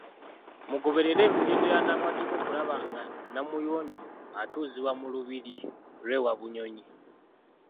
Mugoberere emitendera n’amateeka okulaba nga Namuyonjo atuuzibwa mu lubiri lw’e Wabunyonyi.